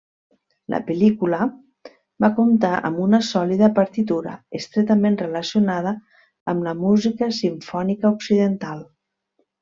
La pel·lícula va comptar amb una sòlida partitura, estretament relacionada amb la música simfònica occidental.